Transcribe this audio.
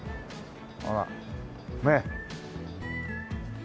ほらねえ。